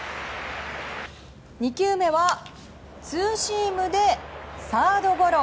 ２球目は、ツーシームでサードゴロ。